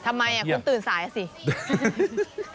ทำไมคุณตื่นสายอ่ะสิ